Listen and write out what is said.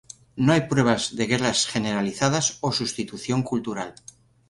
No hay pruebas de guerras generalizadas o sustitución cultural.